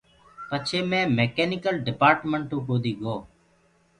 پڇي مي ميڪينيڪل ڊپآرٽمنٽو ڪودي گو۔